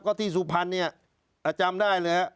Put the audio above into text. ก็ที่สุพรรณนี่จำได้แล้ว